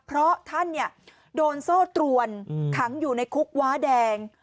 เพราะท่านโดนโซ่ตรวนขังอยู่ในคุกว้าแดง